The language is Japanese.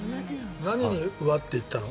何にうわっ！って言ったの？